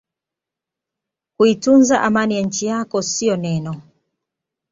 kuitunza Amani ya nchi yako sio neno la